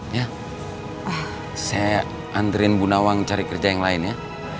saya anterin bu nawang cari kerja yang lain ya